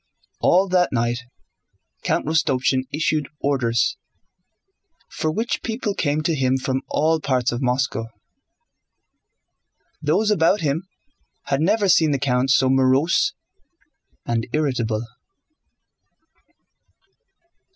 All that night Count Rostopchín issued orders, for which people came to him from all parts of Moscow. Those about him had never seen the count so morose and irritable.